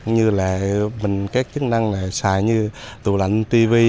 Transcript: như là các chức năng xài như tủ lạnh tv